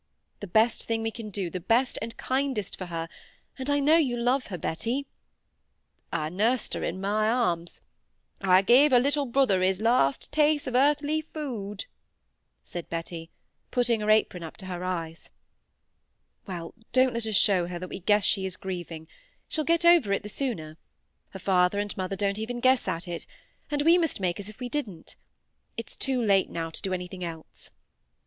The best thing we can do—the best and kindest for her—and I know you love her, Betty—" "I nursed her in my arms; I gave her little brother his last taste o' earthly food," said Betty, putting her apron up to her eyes. "Well! don't let us show her we guess that she is grieving; she'll get over it the sooner. Her father and mother don't even guess at it, and we must make as if we didn't. It's too late now to do anything else."